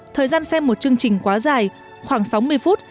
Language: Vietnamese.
thời gian xem một chương trình quá dài khoảng sáu mươi phút